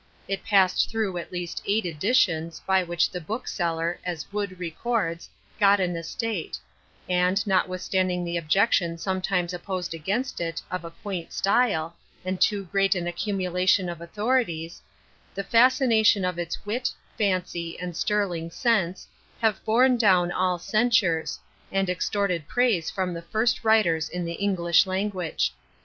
It passed through at least eight editions, by which the bookseller, as WOOD records, got an estate; and, notwithstanding the objection sometimes opposed against it, of a quaint style, and too great an accumulation of authorities, the fascination of its wit, fancy, and sterling sense, have borne down all censures, and extorted praise from the first Writers in the English language.